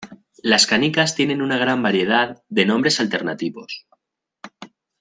Las canicas tienen una gran variedad de nombres alternativos.